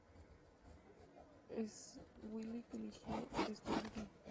Sweelinck eligió esto último.